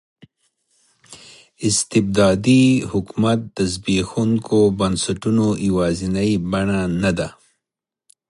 استبدادي حکومت د زبېښونکو بنسټونو یوازینۍ بڼه نه ده.